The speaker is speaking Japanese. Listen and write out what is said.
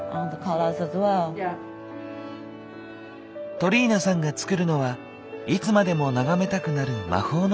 トリーナさんが作るのはいつまでも眺めたくなる魔法の花束。